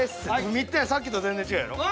見てんさっきと全然違うやろ？